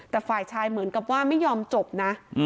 แต่ฝ่ายชายเหมือนกับว่าไม่ยอมจบนะ